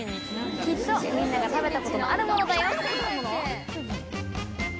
きっとみんなが食べたことのあるものだよ！